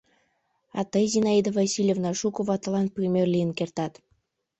А тый, Зинаида Васильевна, шуко ватылан пример лийын кертат.